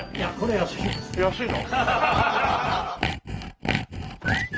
安いの？